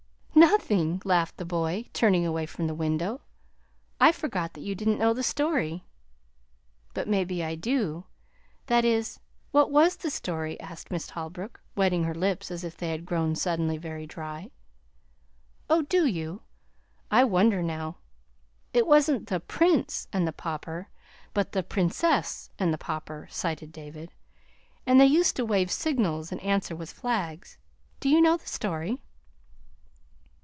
"Nothing," laughed the boy, turning away from the window. "I forgot that you didn't know the story." "But maybe I do that is what was the story?" asked Miss Holbrook, wetting her lips as if they had grown suddenly very dry. "Oh, do you? I wonder now! It wasn't 'The PRINCE and the Pauper,' but the PRINCESS and the Pauper," cited David; "and they used to wave signals, and answer with flags. Do you know the story?"